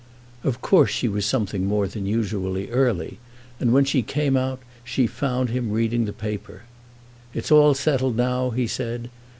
Of course she was something more than usually early, and when she came out she found him reading his paper. "It's all settled now," he said.